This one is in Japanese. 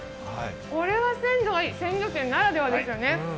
これは鮮度がいい鮮魚店ならではですよね。